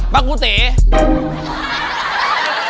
ป่ากุเตะ